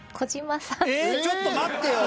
えっちょっと待ってよ。